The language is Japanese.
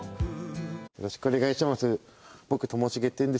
よろしくお願いします。